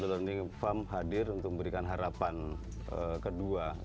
the learning farm hadir untuk memberikan harapan kedua